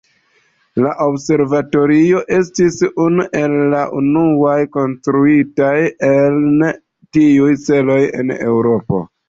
La observatorio estis unu el la unuaj konstruitaj en tiu celo en Eŭropo.